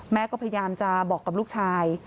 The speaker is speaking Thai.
แม่ก็พยายามจะบอกกับลูกชาย